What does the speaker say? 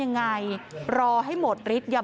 นี่นะคะคือจับไปได้แล้วสาม